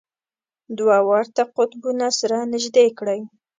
دوه ورته قطبونه سره نژدې کړئ.